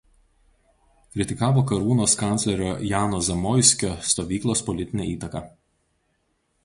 Kritikavo Karūnos kanclerio Jano Zamoiskio stovyklos politinę įtaką.